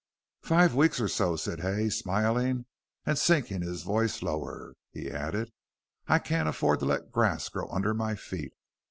"Five weeks or so," said Hay, smiling, and sinking his voice lower, he added, "I can't afford to let grass grow under my feet.